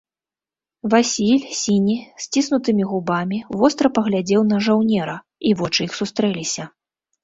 Васіль, сіні, з сціснутымі губамі, востра паглядзеў на жаўнера, і вочы іх сустрэліся.